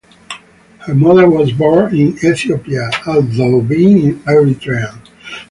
Her mother was born in Ethiopia although being an Eritrean.